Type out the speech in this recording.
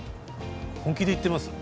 本気で言ってます？